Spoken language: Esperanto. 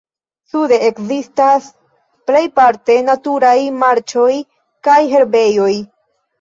Sude ekzistas plejparte naturaj marĉoj kaj herbejoj.